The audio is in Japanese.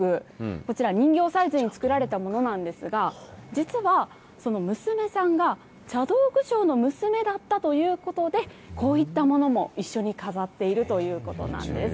こちら、人形サイズに作られたものなんですが、実は、その娘さんが、茶道具商の娘だったということで、こういったものも一緒に飾っているということなんです。